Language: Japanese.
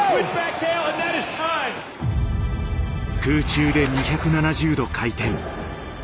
空中で２７０度回転。